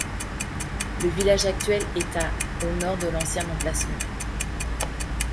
Le village actuel est à au nord de l'ancien emplacement.